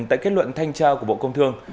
tại kết luận thanh tra của bộ công thương